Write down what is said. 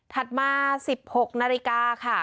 มา๑๖นาฬิกาค่ะ